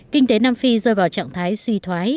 kinh tế nam phi rơi vào trạng thái suy thoái